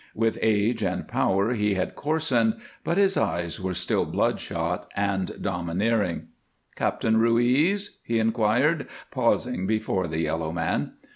With age and power he had coarsened, but his eyes were still bloodshot and domineering. "Captain Ruiz?" he inquired, pausing before the yellow man.